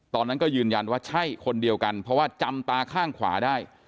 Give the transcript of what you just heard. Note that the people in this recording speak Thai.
ตอนนั้นก็ยืนยันว่าใช่คนเดียวกันเพราะว่าจำตาข้างขวาได้